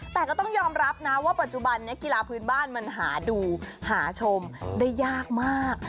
แต่ก็ต้องยอมรับนะว่าปัจจุบันนี้กีฬาพื้นบ้านมันหาดูหาชมได้ยากมาก